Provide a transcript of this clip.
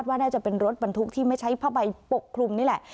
ว่าน่าจะเป็นรถบรรทุกที่ไม่ใช้ผ้าใบปกคลุมนี่แหละ